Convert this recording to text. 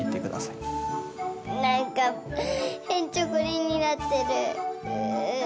なんかへんちょこりんになってる。